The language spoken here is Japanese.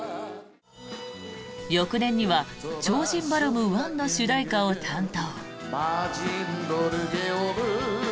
翌年には「超人バロム・１」の主題歌を担当。